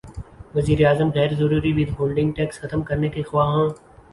وزیراعظم غیر ضروری ود ہولڈنگ ٹیکس ختم کرنے کے خواہاں